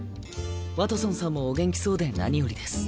ワトソンさんもお元気そうで何よりです。